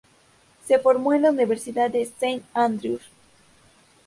Se formó en la Universidad de Saint Andrews.